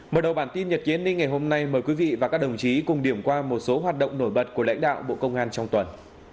mở đầu bản tin nhật ký an ninh ngày hôm nay mời quý vị và các đồng chí cùng điểm qua một số hoạt động nổi bật của lãnh đạo bộ công an trong tuần